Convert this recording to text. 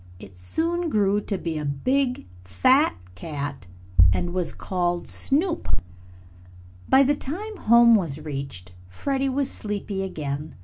It soon grew to be a big, fat cat and was called Snoop. By the time home was reached, Freddie was sleepy again.